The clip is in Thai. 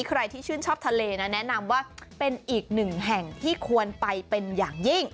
ใครที่ชื่นชอบทะเลนะแนะนำว่าเป็นอีกหนึ่งแห่งที่ควรไปเป็นอย่างยิ่ง